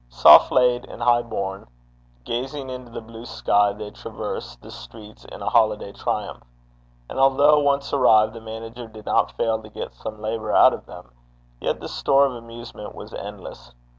Soft laid and high borne, gazing into the blue sky, they traversed the streets in a holiday triumph; and although, once arrived, the manager did not fail to get some labour out of them, yet the store of amusement was endless.